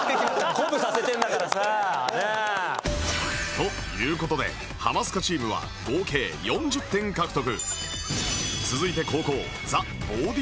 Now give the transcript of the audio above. という事でハマスカチームは合計４０点獲得